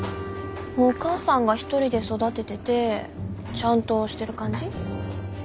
お母さんが一人で育てててちゃんとしてる感じ？